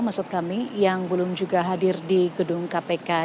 maksud kami yang belum juga hadir di gedung kpk